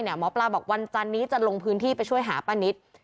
หมอปลาบอกวันจันนี้จะลงพื้นที่ไปช่วยหาป้านิต